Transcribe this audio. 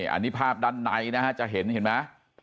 อันนี้ภาพด้านในนะฮะจะเห็นเห็นไหม